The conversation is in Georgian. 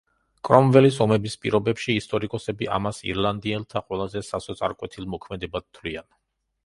კრომველის ომების პირობებში, ისტორიკოსები ამას ირლანდიელთა ყველაზე სასოწარკვეთილ მოქმედებად თვლიან.